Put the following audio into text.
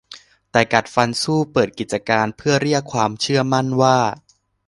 แต่กัดฟันสู้เปิดกิจการเพื่อเรียกความเชื่อมั่นว่า